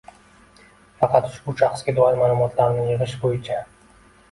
faqat ushbu shaxsga doir ma’lumotlarni yig‘ish bo‘yicha